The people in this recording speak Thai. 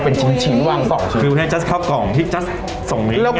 เป็นชิ้นวาง๒ชิ้นคือให้จัสเข้ากล่องที่จะส่งง่ายค่ะ